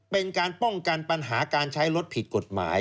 เป็นการป้องกันปัญหาการใช้รถผิดกฎหมาย